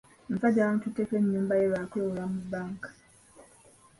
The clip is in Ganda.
Omusajja baamututteko ennyumba ye lwa kwewola mu bbanka.